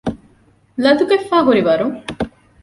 ލަދުގަތްފައި ހުރިވަރުން